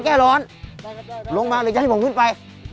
ได้ลงมาหนึ่งก็ให้ผมขึ้นไป